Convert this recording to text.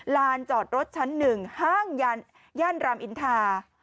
ลานจอดรถชั้น๑ห้างย่านรามอินทา